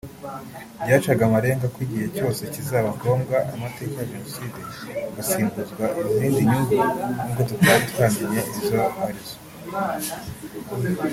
Byacaga amarenga ko igihe cyose bizaba ngombwa amateka ya jenoside agatsimuzwa izindi nyungu nubwo tutari bwamenye izo arizo